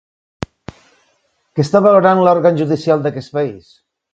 Què està valorant l'òrgan judicial d'aquest país?